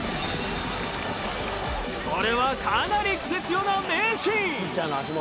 これはかなりクセ強な名シーン。